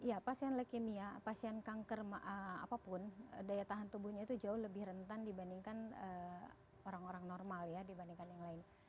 iya pasien leukemia pasien kanker apapun daya tahan tubuhnya itu jauh lebih rentan dibandingkan orang orang normal ya dibandingkan yang lain